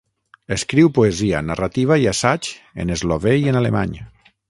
Escriu poesia, narrativa i assaigs en eslové i en alemany.